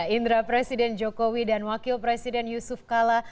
indra presiden jokowi dan wakil presiden yusuf kala